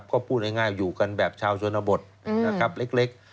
ก็พูดง่ายอยู่กันแบบชาวชนบทนะครับเล็ก